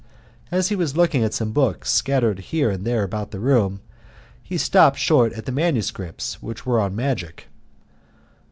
As he was looking at some books scattered here and there about the room, he stopped short at the manuscripts which were on magic.